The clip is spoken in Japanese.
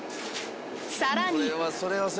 さらに。